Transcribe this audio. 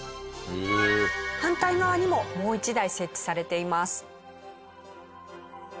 反対側にももう一台設置されています。